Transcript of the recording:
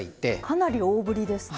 かなり大ぶりですね。